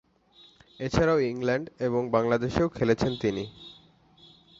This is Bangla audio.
এছাড়াও, ইংল্যান্ড এবং বাংলাদেশেও খেলেছেন তিনি।